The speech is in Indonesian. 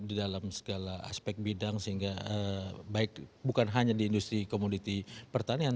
jadi dalam segala aspek bidang sehingga baik bukan hanya di industri komoditi pertanian